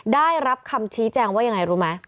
ได้รับคำชี้แจงว่ายังไงรู้ไหม